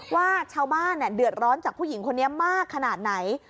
ว่าชาวบ้านเดือดร้อนจากผู้หญิงคนนี้มากขนาดไหน